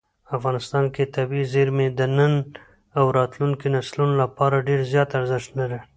افغانستان کې طبیعي زیرمې د نن او راتلونکي نسلونو لپاره ډېر زیات ارزښت لري.